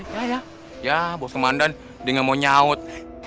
ya ya ya bos kemandan dia gak mau nyaut